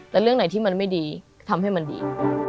แต่เรื่องไหนที่มันไม่ดีทำให้มันดี